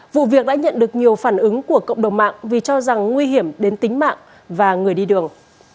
vụ việc đã nhận được nhiều phản ứng của cộng đồng mạng vì cho rằng nguy hiểm đến tính mạng và người đi đường